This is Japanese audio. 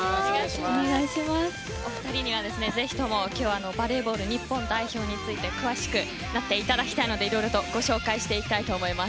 お二人には、ぜひとも今日バレーボール日本代表について詳しくなっていただきたいのでいろいろとご紹介していきたいと思います。